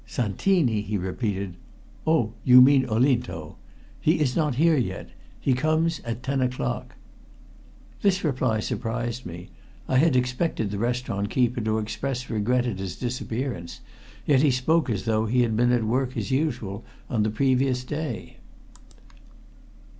"Santini?" he repeated. "Oh I you mean Olinto? He is not here yet. He comes at ten o'clock." This reply surprised me. I had expected the restaurant keeper to express regret at his disappearance, yet he spoke as though he had been at work as usual on the previous day.